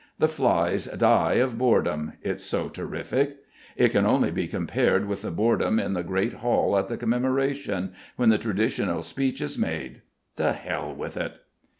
The flies die of boredom, it's so terrific. It can only be compared with the boredom in the great Hall at the Commemoration, when the traditional speech is made. To hell with it!"